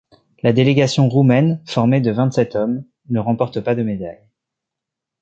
La délégation roumaine, formée de vingt-sept hommes, ne remporte pas de médaille.